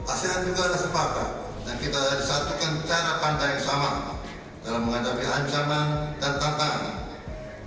asean juga ada sepakat dan kita disatukan cara pandang yang sama dalam menghadapi ancaman dan tantangan